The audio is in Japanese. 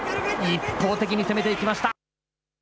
一方的に攻めていきました。